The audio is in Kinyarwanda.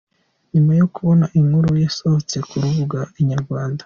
Nyuma yo kubona inkuru yasohotse ku rubuga inyarwanda.